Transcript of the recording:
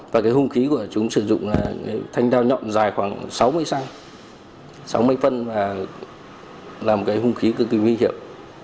và cái hung khí của chúng sử dụng là thanh dao nhọn dài khoảng sáu mươi cm sáu mươi cm là một cái hung khí cực kỳ nguy hiểm